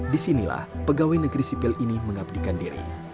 disinilah pegawai negeri sipil ini mengabdikan diri